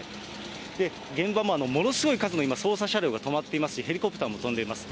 現場もものすごい数の捜査車両が止まっていますし、ヘリコプターも飛んでいます。